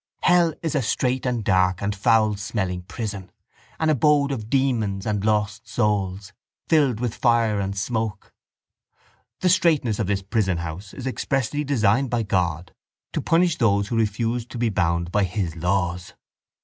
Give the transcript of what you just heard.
Hell is a strait and dark and foulsmelling prison, an abode of demons and lost souls, filled with fire and smoke. The straitness of this prison house is expressly designed by God to punish those who refused to be bound by His laws.